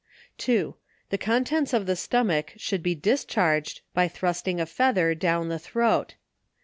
2. The contents of the stomach should be discharged, by thrusting a feather down the throat.